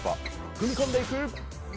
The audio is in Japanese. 踏み込んでいく。